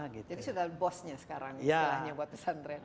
jadi sudah bosnya sekarang sekolahnya buat pesantren